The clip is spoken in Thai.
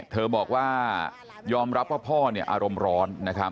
คุณบอกยอมรับว่าพ่ออารมณ์ร้อน